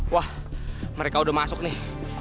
wah mereka udah masuk nih